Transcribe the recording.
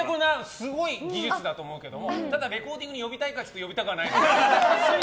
すごい技術だと思うけどただレコーディングに呼びたいかといわれると呼びたくはないので。